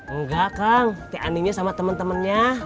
enggak kang tianinya sama temen temennya